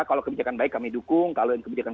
kalau kebijakan baik kami dukung kalau kebijakan